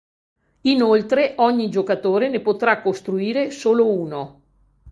Inoltre ogni giocatore ne potrà costruire solo uno.